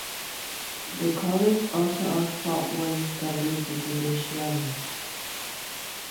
The college also has pathways that lead to credentialing.